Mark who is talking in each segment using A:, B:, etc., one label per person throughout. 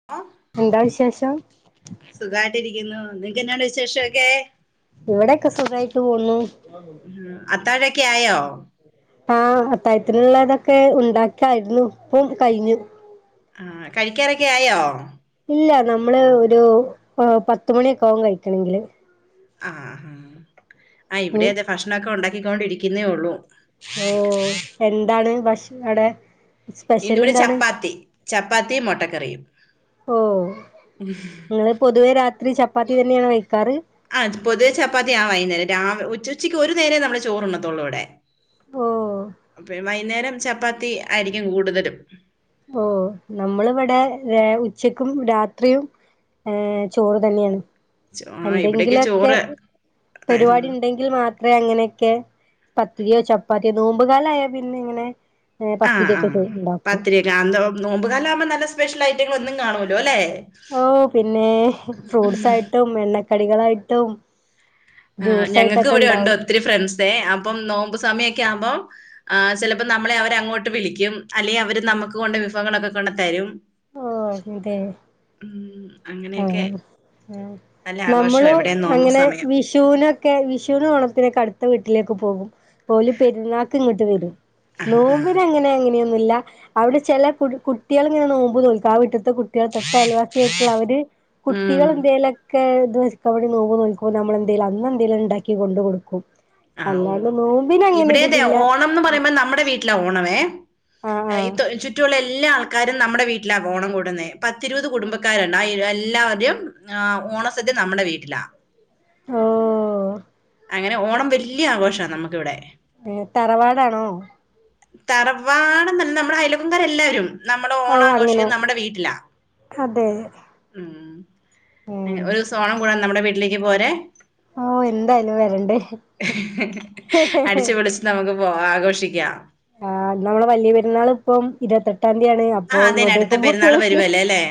A: ആഹ്
B: എന്താ വിശേഷം
A: സുഖയിട്ടിരിക്കുന്നു. നിനക്കെന്നാണ് വിശേഷൊക്കെ
B: ഇവടൊക്കെ സുഖായിട്ട് പോവുന്നു.
A: ഉം അത്താഴൊക്കെ ആയോ
B: ആഹ് അത്തായത്തിനുള്ളതൊക്കെ ഉണ്ടാക്കായിരുന്നു ഇപ്പം കഴിഞ്ഞു
A: ആഹ് കഴ്ക്കാറൊക്കെ ആയോ
B: ഇല്ല നമ്മള് ഒരു ഏഹ് പത്ത്മണിയൊക്കെ ആകും കഴിക്കണെങ്കില്
A: ആഹാ ആഹ്
B: ഉം
A: ഇവടെയൊക്കെ അതെ ഭക്ഷണംക്കെ ഉണ്ടാക്കിക്കൊണ്ടിരിക്കുന്നതെ ഒള്ളൂ
B: ഓഹ് എന്താണ് ഭക്ഷ അവടെ
A: ഇന്നിവിടെ ചപ്പാത്തി ചപ്പാത്തിയും മൊട്ടക്കറിയും
B: ഇങ്ങള് പൊതുവെ രാത്രി ചപ്പാത്തി തന്നെയാണ് കഴ്ക്കാറ്
A: ആഹ് പൊതുവ ചപ്പാത്തി ആണ് വൈന്നേരം, രാവ ഉച്ച ഉച്ചയ്ക്ക് ഒര് നേരെ നമ്മള് ചോറ് ഉണ്ണത്തൊള്ളൂ ഇവടെ
B: ഓ
A: അപ്പളും വൈന്നേരം ചപ്പാത്തി ആയിരിക്കും കൂടുതലും
B: ഓഹ് നമ്മള് ഇവടെ ഉച്ചക്കും രാത്രിയും ഏഹ് ചോറ് തന്നെയാണ്.
A: ചോ ആ ഇവിടെയൊക്കെ
B: എന്തെങ്കിലൊക്കെ
A: ചോറ് ആ
B: പരിപാടി ഇണ്ടെങ്കി ങ്കിൽ മാത്രേ അങ്ങനെയൊക്കെ പത്തിരിയോ ചപ്പാത്തിയോ നോമ്പുകാലായാ പിന്നെ ഇങ്ങനെ ഏഹ് പത്തിരിയൊക്കെ ചു ഇണ്ടാക്കും
A: ഞാൻന്തോ നോമ്പുകാലകുമ്പോ നല്ല സ്പെഷ്യലയ്റ്റങ്ങള് ഒന്നും കാണുല്ലോ ല്ലെ
B: ഓഹ് പിന്നെ ഫ്രൂട്ട്സായിട്ടും എണ്ണക്കടികളായിട്ടും
A: ആഹ്
B: ജ്യൂസ്
A: ഞങ്ങൾക്ക്
B: ആയിട്ടൊക്കെ
A: ഇവടെ ഉണ്ടോ
B: ഉണ്ടാവും
A: ഒത്തിരി ഫ്രണ്ട്സേ അപ്പം നോമ്പ് സമയൊക്കെ ആവുമ്പോ ആഹ് ചെലപ്പോം നമ്മളെ അവര് അങ്ങോട്ട് വിളിക്കും അല്ലെങ്കിൽ അവര് നമ്മക്ക് കൊണ്ട് വിഭവങ്ങളൊക്കെ കൊണ്ട്‌ തരും
B: ഓ അതെ
A: ഹ്മ്മ് അങ്ങനെയൊക്കെ
B: ആഹ്
A: നല്ല ആഘോഷാ
B: നമ്മളും
A: ഇവിടെയും നോമ്പ്
B: അങ്ങനെ
A: സമയം
B: വിഷ് ഷൂനൊക്കെ വിഷുനും ഓണത്തിനൊക്കെ അട്ത്ത വീട്ടിലേക്ക് പോകും ഓല് പെരുന്നാൾക്ക് ഇങ്ങട്ട് വരും,
A: ആഹ് ആഹ്
B: നോമ്പിനങ്ങനെ ഇങ്ങനെയൊ ന്നില്ല, അവടെ ചെല കു കുട്ട്യേള്ങ്ങനെ നോമ്പ്നോൽക്കും ആ വിട്ട്ന്ന് ത്തെ കുട്ട്യോള് തൊട്ടഅയൽവാസിയായിട്ടുള്ള അവര്
A: ഉം
B: കുട്ടികളെന്തെലൊക്കെ [unintelligible] അവര് നോവ് നോൽക്കുമ്പോ നമ്മളെന്തേലും അന്നെന്തെലും ഇണ്ടാക്കി കൊട്ക്കും
A: ആഹ് ഓഹ് ഇവടെതെ
B: ഇതില്ല
A: ഓണംന്ന് പറയുമ്പം നമ്മടെ വീട്ടിലാ ഓണം ഏഹ്
B: ആഹ്
A: അയിതൊ
B: ആഹ്
A: ചുറ്റ് റ്റുള്ള എല്ലാ ആൾക്കാരും നമ്മടെ വീട്ടിലാ ഓണം കൂടുന്നേ പത്തിരുപത് കുടുംബക്കാരുണ്ട് ആ എല്ലാരും ആഹ് ഓണസദ്യ നമ്മുടെ വീട്ടിലാ
B: ഓഹ്
A: അങ്ങനെ ഓണം വെല്ല്യാഘോഷ നമ്മക്കിവടെ
B: ഏഹ് തറവാടാണോ
A: തറവാടന്നല്ല മ്മടെ അയലുംങ്കര എല്ലാരും. ന്നമ്മടെ
B: ഓ
A: ഓണാഘോഷി
B: അങ്ങനെ
A: ന്നമ്മടെ വീട്ടിലാ
B: അതെ
A: ഉം.
B: ഉം
A: ഒരു സൊണം കൂടാ നമ്മടെ വീട്ടിലേക്ക് പോരേ.
B: ഓഹ് എന്തായാലും വരണ്ട്.
A: ന്നമുക്ക് പോ ആഘോഷിക്യാം.
B: ആഹ് ന്നമ്മള വല്ല്യാ പെരുന്നാള്പ്പം ഇരുവത്തെട്ടാന്തി ആണ്
A: ആ
B: അപ്പൊ
A: അതെ അടുത്ത
B: ഇങ്ങോട്ടേക്കുമ്പ
A: പെരുന്നാൾ
B: [unintelligible]
A: വരുവല്ലേ അല്ലേ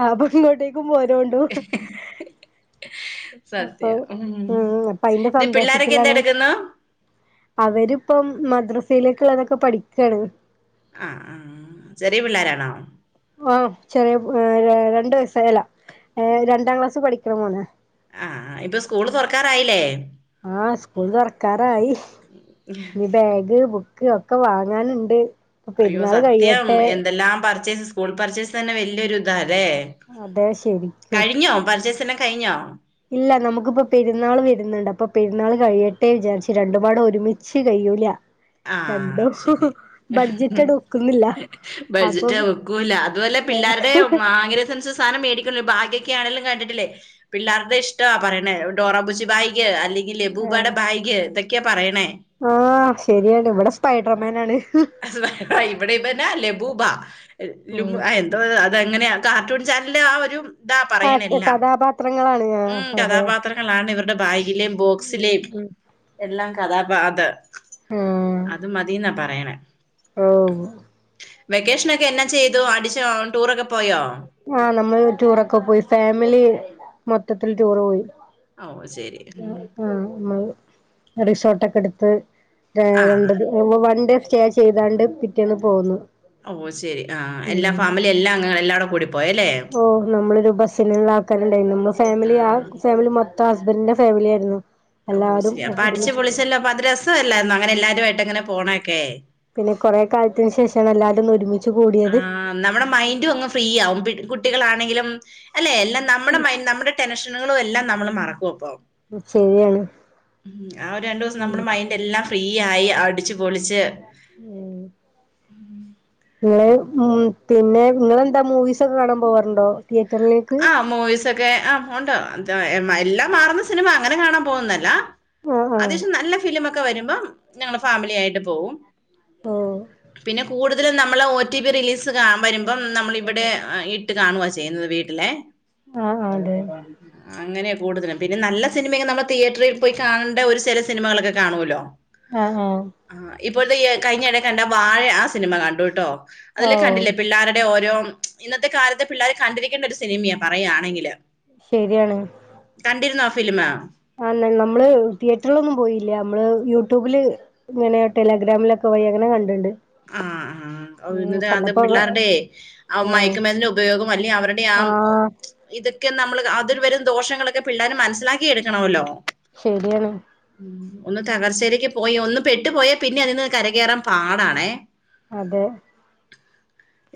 B: ആഹ് ആപ്പൊ ഇങ്ങോട്ടേക്കും പോരോണ്ടു. അപ്പൊ
A: സത്യ ഉം
B: അപ്പൊ അയിന്റെ
A: തെ പിള്ളോരൊക്കെ എന്തട്ക്കുന്നു?
B: അവര്പ്പം മദ്രസയിലേക്ക്ള്ളതൊക്കെ പഠിക്കാണ്.
A: ആഹ് ആ ചെറിയേ പിള്ളേരാണോ?
B: ഓഹ് ചെറിയേ ര രണ്ടു വയസാ യല്ലാ ഏ രണ്ടാം ക്ലാസ്സ് പഠിക്ക്ണ മോനാ.
A: ആഹ്, ഇപ്പൊ സ്കൂള് തൊറക്കാറായില്ലേ?
B: ആഹ് സ്കൂള് തൊറക്കാറായി ഇനി ബാഗ് ബു ക്ക് ഒക്കെ വാങ്ങാന്ണ്ട്.
A: അയ്യോ സത്യം എന്തെല്ലാം പർച്ചേസ് സ്കൂൾ പർച്ചേസ് തന്നെ വെല്ല്യോര്താല്ലേ.
B: അതെ ശരിക്കും
A: കഴിഞ്ഞോ പർചെയ്സ് എല്ലാം കഴിഞ്ഞോ?
B: ഇല്ല നമുക്ക്പ്പോ പെര്ന്നാള് വെര്ന്ന്ണ്ട് അപ്പൊ പെരുന്നാള് കഴിയട്ടെ വിചാരിച്ച് രണ്ടുംപാടേ ഒരുമി ച്ച് കയ്യൂലാ
A: ആഹ്.
B: ബഡ്ജറ്റഡ് ഒക്കു
A: ബഡ്ജറ്റ് ഒക്കൂലാ അത് വെല്ല പിള്ളാര്ടെ [unintelligible] സാനം മേടി ഭാഗ്യക്കെ ആണെലും കണ്ടിട്ടില്ലേ പിള്ളാര്ടെ ഇഷ്ട്ടാ പറണേ ഡോറാബുച്ചി ഭായി അല്ലെങ്കിൽ ലബൂബാടെ ഭായ്ഗ് തൊക്കെ പറയ്ണേ.
B: ആഹ് ശെര്യാണ് ഇവടെ സ്പൈഡർമാനാണ്.
A: ആഹ് ഇവടെ പെന്നേ ലബൂബാ ലും
B: ഉം
A: [unintelligible] ആഹ് അതെങ്ങനയാ കാർട്ടൂൺ ചാൻല് ആ ഒരു താ പറയ്ണ്
B: ആഹ്
A: എല്ലാം
B: കഥാപാത്രങ്ങളാണ് ആഹ്
A: ഉം
B: അതെ
A: കഥാപാത്ര ങ്ങളാണ് ഇവര്ടെ ബാഗിലിം
B: ഉം
A: ബോക്സിലിം
B: ഉം
A: എല്ലാം കഥാപാത
B: ആഹ്
A: അത് മതീന്നാ പറയണേ.
B: ഓഹ് വു
A: വെക്കേഷ്നൊക്കെ എന്നാ ചെയ്തു അടിച്ചൊ ടൂറൊക്കെ പോയോ?
B: ആഹ് നമ്മള് ടൂറൊക്കെ പോയി ഫാമിലി മൊത്തത്തിൽ ടൂറ് പോയി.
A: ഓ ശരി ഉം
B: ആഹ് [unintelligible] [unintelligible] റിസോട്ടൊക്കെട്ത്ത്
A: ആ
B: രാണ്ടത് വ വ വൺഡേ സ്റ്റെ ചെയ്താണ്ട് പിറ്റേന്ന് പോന്നു.
A: ഓഹ് ശെരി ആഹ് എല്ലാ
B: ഉം
A: ഫാമിലി എല്ലാ അംഗങ്ങങ്ങള എല്ലാര്ടേ കൂടിപ്പോയല്ലേ.
B: ഓഹ് ന്നമ്മളൊരു ബസ്സില്ള്ള ആൾക്കാര്ണ്ടായിന്നു നമ്മ ഫാമിലി ആ ഫാമിലി മൊത്തം ഹസ്ബന്റിന്റെ ഫാമിലിര്ന്നു.
A: [unintelligible] അപ്പൊ അടിച്ചു പൊളിച്ചല്ലോ അപ്പൊ അത് രസവല്ലാര്ന്നൊ അങ്ങനെ എല്ലാരു ആയിട്ട് ങ്ങനെ പോണൊഒക്കെ.
B: പിന്നെ കൊറെ കാൽത്തിന് ശേഷാണ് എല്ലാരു ഒന്ന് ഒരുമിച്ച്
A: ആ
B: കൂടിയത്.
A: നമ്മുടെ മൈൻഡും അങ്ങ് ഫ്രീ ആവും കുട്ടികളാണെങ്കിലും അല്ലെ എല്ലാം നമ്മടെ മൈൻ നമ്മടെ ടെൻഷ പ്രശ്നങ്ങളു എല്ലാം നമ്മള് മറക്കു അപ്പൊ.
B: ശരിയാണ്
A: ഉ ആ രണ്ടൂസം നമ്മുടെ മൈന്റ് എല്ലാം ഫ്രീയായി അടിച്ച് പൊളിച്ച്
B: [unintelligible] ഉം പിന്നെ നിങ്ങളെന്താ മൂവിസൊക്കെ കാണാം പോവാറ്ണ്ടോ തിയേറ്റർലേക്ക്?
A: ആഹ് മൂവീസൊക്കെ ആഹ് ഒണ്ട് എല്ലാം മാറുന്ന സിനിമ അങ്ങനെ കാണാൻ പോകുന്നല്ല
B: ആഹ്
A: -
B: ആഹ്
A: അത്യാവശ്യം നല്ല ഫിലിമൊക്കെ വരുമ്പം ഞങ്ങള് ഫാമിലി ആയിട്ട് പോവും.
B: ഓഹ്
A: പിന്നെ കൂടുതലും നമ്മള് ഒ റ്റി പി റിലീസ്- കാ വരുമ്പം നമ്മള് ഇവിടെ ഇട്ട് കാണുവ ചെയ്യുന്നത് വീട്ടിലെ
B: ആഹ് അതെ
A: അങ്ങനെയ കൂടുതലും പിന്നെ നല്ല സിനിമെക്കെ നമ്മൾ തിയേറ്ററി പോയി കാണേണ്ട ഒരു ചെല സിനിമകളൊക്കെ കാണുമല്ലോ?
B: ആഹ് ആഹ്
A: ആ ഇപ്പോഴത്തെ ഈ കഴിഞ്ഞയെടെ കണ്ട വാഴ ആ സിനിമ കണ്ടുട്ടോ- അതില്
B: ഓഹ്
A: കണ്ടില്ലേ പിള്ളേരുടെ ഓരോ ഇന്നത്തെ കാലത്ത് പിള്ളേര് കണ്ടിരീ ക്കേണ്ട ഒരു സിനിമയ പറയുകയാണെങ്കില്
B: ശരിയാണ്
A: കണ്ടിരുന്നോ ആഫിലിമ്?
B: ആ നമ്മള് തിയേറ്ററിലൊന്നും പോയില്ല അമ്മള് യൂട്യൂബില് ഇങ്ങനെയ ടെലഗ്രാമിലൊക്കെ പോയി അങ്ങനെ കണ്ടിണ്ട്
A: ആഹ് ആഹ്
B: ഉം
A: ഇന്നത്
B: കണ്ടപ്പോ
A: പിള്ളേരുടെ ആ മയക്കുമര്ന്നിന്റെ ഉപയോഗം അല്ലെ അവരുടെ ആ-
B: ആഹ്
A: ഇതൊക്കെ നമ്മള് അതിൽ വരും ദോഷങ്ങളൊക്കെ പിള്ളേര് മനസ്സിലാക്കി എടുക്കണല്ലോ
B: ശരിയാണ്
A: ഒന്ന് തകർച്ചയിലേക്ക് പോയി ഒന്ന് പെട്ടു പോയാ പിന്നെ അതിന്ന് കരകേറാൻ പാടാണേ
B: അതെ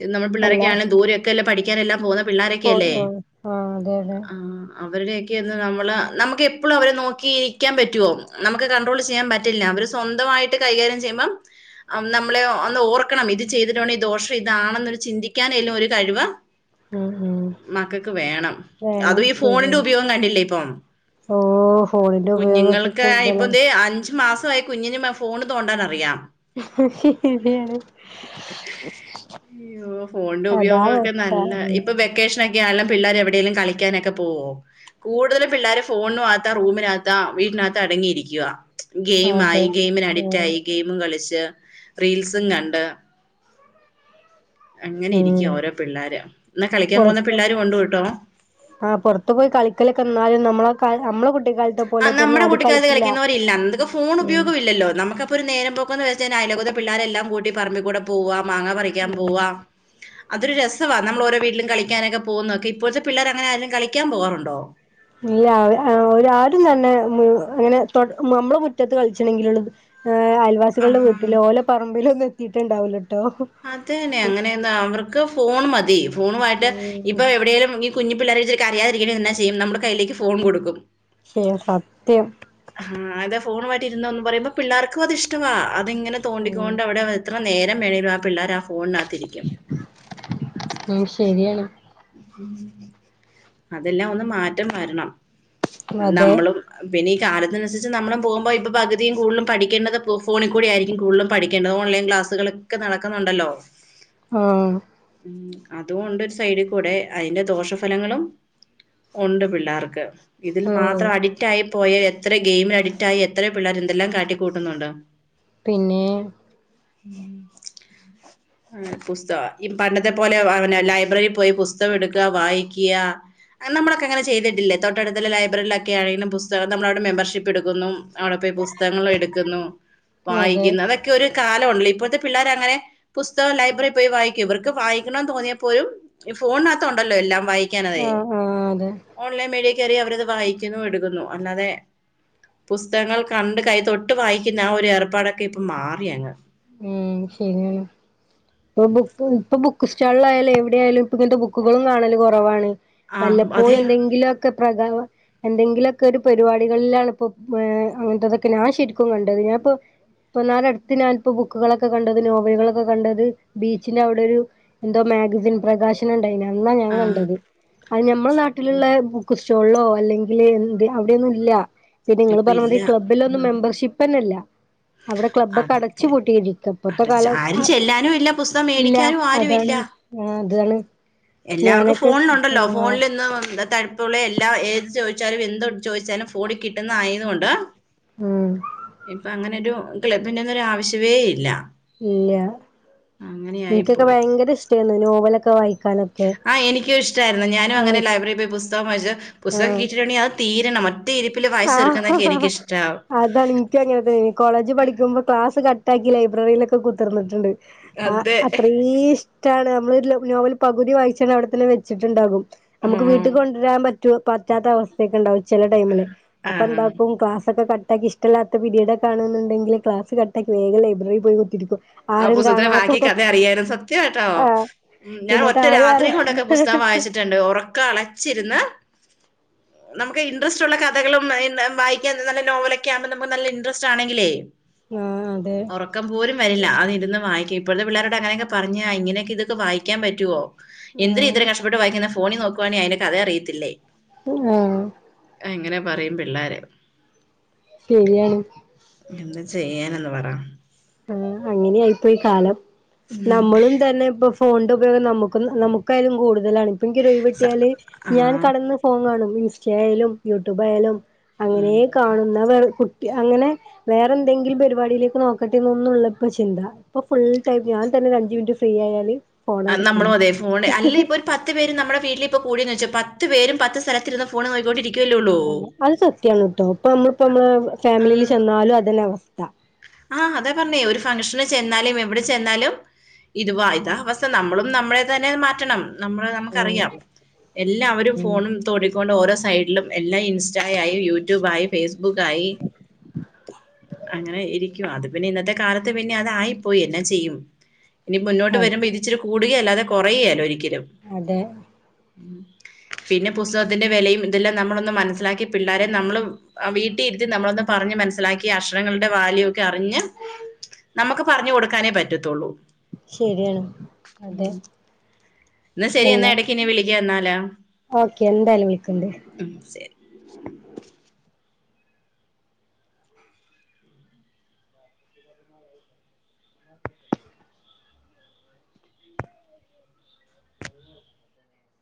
A: ഇന്ന് നമ്മൾ
B: അല്ല
A: പിള്ളേരൊക്കെയണെ ദൂരയൊക്കെല്ലെ പഠിക്കാനെല്ലാം പോന്ന്-
B: പോ
A: പിള്ളാരൊക്കെല്ലേ
B: ആ അതെ അതെ
A: ആഹ് അവരുടെയൊക്കെ എന്ന് നമ്മള് നമുക്ക് എപ്പളും അവരെ നോക്കിയിരിക്കാൻ പറ്റുവോ നമുക്ക് കണ്ട്രോൾ ചെയ്യാൻ പറ്റ് റ്റില്ല അവര് സ്വന്തവായിട്ട് കൈകാര്യം ചെയ്യ്മ്പം നമ് നമ്മളെ ഒന്ന് ഓർക്കണം ഇത് ചെയ്തിട്ടോണ്ടേ ദോഷം ഇതാണെന്ന് ഒരു ചിന്തിക്കാനേലും ഒരു കഴിവ്
B: ഉം ഉം
A: മക്കക്ക് വേണം
B: വേണം
A: അതും ഈ ഫോണിന്റെ
B: ശരിയാണ്
A: ഉപയോഗം കണ്ടില്ലേ ഇപ്പൊ-
B: ഓ ഫോണിന്റെ ഉപയോഗൊക്കെ
A: കുഞ്ഞുങ്ങൾക്ക്
B: കൂടുതലാണ്
A: ഇപ്പദേ അഞ്ച് മാസായി- കുഞ്ഞിന് ഫോണ് തോണ്ടാനറിയാം
B: [inaudible]
A: അയ്യോ ഫോണിന്റെ ഉപയോഗമൊക്കെ നല്ല ഇപ്പൊ
B: [unintelligible]
A: വെക്കേഷനൊക്കെ ആയല്ലോ പിള്ളേര് എവിടേലും കളിക്കാനൊക്കെ പോവോ? കൂടുതലും പിള്ളേര് ഫോണിനാത്താ റൂമിനകത്താ വീട്ടിനകത്ത് അടങ്ങിയിരിക്കുവാ ഗെയിം
B: അതെ
A: ആയി
B: ഉം
A: ഗെയിമിനഡിക്റ്റായി ഗെയിമും കളിച്ച് റീൽസും കണ്ട് അങ്ങനെ
B: ഉം
A: ഇരിക്കുവ ഓരോ പിള്ളാര് എന്നാ കളിക്കാൻ പോവുന്ന പിള്ളേരും ഒണ്ട്ട്ടോ?
B: ആഹ് പൊറത്ത് പോയി കളിക്കലൊക്കെ എന്നാലും നമ്മള് കൽ അമ്മടെ കുട്ടിക്കാല
A: ആ നമ്മുടെ കുട്ടിക്കാലത്ത് കളിക്കുന്നപോലില്ല അന്നൊക്കെ ഫോണ്
B: ഉം
A: ഉപയോഗമില്ലല്ലോ നമുക്ക ഒരു നേരം പോക്കെന്ന് വെച്ചാ അയലോകത്തെ പിള്ളേരെല്ലാം കൂട്ടി പറമ്പി കൂടെ പോവാ മാങ്ങ പറിക്കാൻ
B: ഉം
A: പോവാ അതൊര് രസവാ നമ്മള് ഓരോ വീട്ടിലും കളിക്കനൊക്കെ പോവുന്നൊക്കെ ഇപ്പോഴത്തെ പിള്ളേരങ്ങനെ ആരേലും കളിക്കാൻ പോവാറുണ്ടോ?
B: ഇല്ല അവരാ അവരാരും തന്നെ അങ്ങനെ നമ്മള് മുറ്റത്ത് കളിച്ചണെങ്കിൽ ഉള്ളൂ- ഏഹ് അയൽവാസികളുടെ വീട്ടിലൊ ഓലോ പറമ്പിലും ഒന്നും എത്തിയിട്ടുണ്ടാവലാട്ടോ
A: അതെന്നെ അങ്ങനെന്താ അവർക്ക് ഫോൺ മതി ഫോണുമായിട്ട്
B: ഉം
A: ഇപ്പൊ എവിടേലും കുഞ്ഞി പിള്ളേരിച്ചരി കരയാതിരിക്കനെന്നാ ചെയ്യും നമ്മള് കയ്യിലേക്ക് ഫോൺ കൊടുക്കും
B: ശേ സത്യം.
A: ഉം അതെ ഫോൺ മായിട്ടി ഇരുന്നോ ന്ന് പറയുമ്പോ പിള്ളേർക്കും അത് ഇഷ് ടവാ അത്ങ്ങനെ
B: ഉം
A: തോണ്ടിക്കൊണ്ട് അവിടെ എത്ര നേരം വേണെങ്കിലും ആ പിള്ളേർ ആ ഫോണ്നകത്തിരിക്കും
B: ഉം ശരിയാണ്
A: അതെല്ലാം ഒന്ന് മാറ്റം വരണം
B: അതെ
A: നമ്മളും പിന്നെ ഈ കാലത്തിനുസരിച്ച് നമ്മളും പോകുമ്പോ ഇപ്പ പകുതി കൂടുലും പഠിക്കേണ്ടത് ഫോണിൽ കൂടി ആയിരിക്കും കൂ [unintelligible] പഠിക്കേണ്ടത് ഓൺലൈൻ ക്ലാസ്സുകളൊക്കെ നടക്കുന്നുണ്ടല്ലോ
B: ആഹ്
A: ഉം അതുംണ്ട് ഒരു സൈഡ് ഉടെ അയ്ന്റെ ദോഷഫലങ്ങളും ഉണ്ട് പിള്ളേർക്ക് ഇതിൽ
B: ഓ
A: മാത്രം അടി റ്റായി പോയ എത്ര ഗെയിമിൽ അഡിക്റ്റ ആയി എത്ര പിള്ളേർ എന്തെല്ലാം കാട്ടിക്കൂട്ടുന്നുണ്ട്
B: പിന്നെ
A: ആ പുസ്തകം ഈ പണ്ടത്തെ പോലെ അവനെ ലൈബ്രറി പോയി പുസ്തകം എടുക്ക വായിക്യാ നമ്മളൊക്കെ അങ്ങന ചെയ്തിട്ടില്ലെ തൊട്ടടുത്തുള്ള ലൈബ്രറിയിലൊക്കെ അറിയ്ണ പുസ്തകം നമ്മളവിടെ മെമ്പർഷിപ്പ് ട്ക്കുന്നു അവിടെ പോയി പുസ് തകങ്ങൾ എടുക്കുന്നു
B: അതെ
A: വായിക്കുന്നു അതൊക്കെ ഒരു കാലല്ലോ ഇപ്പോഴത്തെ പിള്ളാര് അങ്ങനെ പുസ്തകം ലൈബ്രറിയിൽ പോയി വായിക്കും ഇവർക്ക് വായിക്കണന്ന് തോന്നിയാപ്പോലും ഫോണിനകത്തം ഉണ്ടല്ലോ എല്ലാം വായി ക്ക്യാണതേ
B: ആഹ് ആഹ് അതെ
A: ഓൺലൈൻ മേഡിയ കയറി അവരത് വായിക്കുന്നു എടുക്കുന്നു അല്ലാതെ പുസ്തകങ്ങൾ കണ്ട് കൈ തൊട്ട് വായിക്കുന്ന ആ ഒരു ഏർപ്പാടൊക്കെ ഇപ്പം മാറി അങ്ങ്
B: ഉം ശരിയാണ് ഇപ്പൊ ബുക്ക് ഇപ്പൊ ബുക്ക് സ്റ്റാളിലായാലും എവിടെ ആയാലും ഇപ്പ ഇങ്ങൻത്തെ ബുക്കുകളും കാണൽ കുറവാണ്
A: ആ
B: വല്ലപ്പോഴും
A: അതെ
B: എന്തെങ്കിലൊക്കെ പ്രകാവ എന്തെങ്കിലൊക്കെ ഒരു പരിപാടികളിലാണ് ഇപ്പോ ഏഹ് അങ്ങൻത്തതൊക്കെ ഞാൻ ശരിക്കും കണ്ടത് ഞാൻ ഇപ്പോ ഇപ്പെന്നാരട്ത്ത് ഞാൻ ഇപ്പൊ ബുക്കുകളൊക്കെ കണ്ടത് നോവലുകളൊക്കെ കണ്ടത് ബീച്ചിന്റെ അവിടെ ഒരു എന്തോ മാഗസിൻ പ്രകാശ ത്തിന്ണ്ടയ്നി അന്നാ ഞാൻ കണ്ടത് അത് ഞമ്മുടെ
A: ആ
B: നാട്ടിലുള്ള ബുക്സ്റ്റോളിലോ അല്ലെങ്കിൽ എന്ത് അവിടെയൊന്നും ഇല്ല പിന്നെ നിങ്ങള്
A: ഇപ്പ
B: പർഞ്ഞ
A: ഇല്ല
B: മാതിരി ക്ലബ്ബിലൊന്നും
A: ഉം
B: മെമ്പർഷിപ്പന്നെല്ല അവിടെ കുബ്ബാക്കെ അട ച്ച്
A: അതെ
B: പൂട്ടിയിരിക്ക ഇപ്പത്തെ
A: അടച്ച
B: കാലം അ
A: ആരും ചെല്ലാനും ഇല്ല പുസ്തകം
B: ഇല്ല
A: മേടിക്കാനും ആരും ഇല്ല
B: അതാണ് ആഹ് അതാണ്
A: എല്ലാവർക്കും
B: ഞാനൊക്കെ
A: ഫോണിലുണ്ടല്ലോ
B: ആഹ്
A: ഫോണിൽ ഇന്ന് എന്താ ത ഉള എല്ലാം ഏത് ചോദിച്ചാലും എന്ത് ചോദിച്ചാലും ഫോണി കിട്ടുന്ന ആയതുകൊണ്ട്
B: ഉം
A: ഇപ്പൊ അങ്ങനെ ഒരു ക്ലബ്ബിന്റെ ഒന്നൊരു ആവശ്യവേ ഇല്ല
B: ഇല്ല
A: അങ്ങനെയായി
B: എനിക്കൊക്കെ
A: പോയി
B: ഭയങ്കര ഇഷ്ടായിരുന്നു നോവലൊക്കെ വായിക്കാന്
A: ആ എനിക്ക് ഇഷ്ടാര്ന്നു ഞാനു അങ്ങനെ ലൈബറി പോയി പുസ്തകം വായ്ച്ച് പുസ്തകം
B: ആഹ്
A: കിട്ടിട്ടുണ്ടെങ്കിൽ അത് തീരണം ഒറ്റ ഇരിപ്പില് വായ്ച്ച് തീർക്കാ [unintelligible] എനിക്കഷ്ടം
B: അതാ നിനിക്ക അങ്ങനെ തന്നെ കോളേജ് പഠിക്കുമ്പോ ക്ലാസ് കട്ടാക്കി ലൈബ്രറിയിലൊക്കെ കുത്തർന്ന്ട്ട്ണ്ട് ആ
A: അതെ
B: അത്രേയും ഇഷ് ടാണ് നമ്മള് നോവൽ പകുതി വായിച്ചാണ് അവ്ടെ തന്നെ വെച്ചിട്ടുണ്ടാകും നമുക്ക് വീ
A: ഉം
B: ട്ട് കൊണ്ട്രാൻ പറ്റ പറ്റാത്ത അവസ്ഥയൊക്കെ ഉണ്ടാവും ചെല ടൈമില് അപ്പൊ
A: ആഹ്
B: എന്താക്കും ഉം ക്ലാസൊക്കെ കട്ടാക്കി ഇഷ്ടല്ലാത്ത പിരീഡക്കാണെന്നുണ്ടെങ്കിൽ ക്ലാസ് കട്ടാക്കി വേഗം ലൈബ്രറി പോയി ത്തിരിക്കും
A: ആ പുസ്തകത്തിൻ്റെ ബാക്കി കഥ അറിയാനും സത്യാ ട്ടോ
B: ആഹ്
A: ഉം ഞാൻ
B: എന്നിട്ട്
A: ഒറ്റ
B: ആരും
A: രാത്രി
B: അറിയാ
A: കൊണ്ടൊക്കെ പുസ്തകം വായിച്ചിട്ടുണ്ട് ഉറക്കം അളച്ചിരുന്ന് നമുക്ക് ഇൻട്രസ്റ്റ്ള്ള കഥകളും [unintelligible] വായിക്കാൻ നല്ല നോവലൊക്കെ ആകുമ്പോ നമുക്ക് നല്ല ഇൻട്രസ്റ്റ് ആണെങ്കിലേ
B: ആഹ് അതെ
A: ഉറക്കം പോല വരില്ല അത് ഇരുന്ന് വക്ക ഇപ്പോഴത്തെള്ളരോ അങ്ങനൊക്കെ പറഞ്ഞാ ഇങ്ങനെയക്കെ ഇതൊക്കെ വായിക്കാൻ പറ്റുവോ എന്തിന
B: ആഹ്
A: ഇത്രരം കഷ്ടപ്പെട്ട് വായിക്കുന്ന ഫോണിൽ നോക്കുവാണെങ്ക അന്റെ കഥയ അറിയത്തില്ലേ
B: ആഹ്
A: ഇങ്ങനെ പറയും പിള്ളാര്
B: ശരിയാണ്
A: എന്ത് ചെയ്യാനെന്ന് പറ
B: ആഹ് അങ്ങനെയായിപ്പോയി കാലം നമ്മളും തന്നെ പ്പൊ ഫോണിന്റെ ഉപയോഗം നമുക്കായാലും കൂട്തലാണ് പ എനിക്കൊരൊഴിവ്
A: സ-
B: കിട്ടിയാല്
A: ആ
B: ഞാൻ കെടന്ന് ഫോൺ കാണും ഇൻസ്റ്റെയിലായാലും യൂടൂബായാലും
A: ഉം
B: അങ്ങനേക്കാണും ന്നാ അങ്ങനെ വേറെന്തെങ്കിലും പരിപാടിയിലേക്ക് നോക്ക ട്ടിനുള്ള ഇപ്പ ചിന്ത ഇപ്പ ഫുൾ ടൈം ഞാൻ തന്നെ ഒരു അഞ്ച് മിനിറ്റ് ഫ്രീയായാല്
A: അന്നമ്മള് അതെ ഫോൺ അല്ല ഇപ്പം പത്ത് പേര് ഞമ്മളെ വീട്ടീല് ക്കൂടിന്നൊ ച്ചൊ പത്ത് പേരും പത്ത് സ്ഥലത്തിരുന്ന് ഫോണ്ന്നോക്കി കൊണ്ടിരിക്കും
B: ആഹ് അത് സത്യാണ്ട്ട്ടോ പ്പം ഞമ്മള് ഞമ്മളെ ഫാമിലീല് ചെന്നാല് അതെന്നെ അവസ്ഥ
A: ആഹ് അതാപറഞ്ഞേ ഒരു ഫംഗ്ഷന് ചെന്നാലും എവിടെ ചെന്നാലും ഇതുവ ഇതാവസ്ഥ നമ്മളും നമ്മളെ തന്നെ മാറ്റണം നമ്മ നമുക്കറിയാം എല്ലാവരും ഫോണും തോടിക്കൊണ്ട് ഓരോ സൈഡിലും എല്ലാം ഇൻസ്റ്റയ്യി യൂട്യൂബായി ഫേസ്ബുക്കയി അങ്ങനെ ഇരിക്കുവാഅത് പിന്നെ ഇന്നത്തെ കാലത്ത് പിന്നെ അതായിപ്പോയി എന്നാ ചെയ്യും ഇനി മുന്നോട്ട്
B: അതെ
A: വരുമ്പോ ഇത് ഇച്ചിരി കൂടുകയല്ലാതെ കുറയേല ഒരിക്കലും
B: അതെ
A: പിന്നെ പുസ്തകത്തിന്റെ വെലയും ഇതെല്ലാം നമ്മളൊന്ന് മനസ്സിലാക്കി പിള്ളോരെ ന്നമ്മളള് വീട്ടിഇരുത്തി നമ്മളൊന്ന് പറഞ് മനസിലാക്കി ആഷ് ങ്ങളുടെ വാല്യു അറിഞ്ഞമ്മക്ക് പറഞ് കൊടുക്കാനെ പറ്റത്തൊള്ളൂ
B: ശരിയാണ് അതെ
A: ശരി
B: എന്നാ
A: ഇടയ്ക്ക് ഇനി വിളിക്കാം എന്നാലാ
B: ഓക്കെ എന്തായാലും വിളിക്കണ്ട്
A: ഉം ശരി